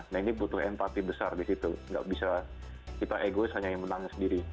nah ini butuh empati besar di situ nggak bisa kita egois hanya menangnya sendiri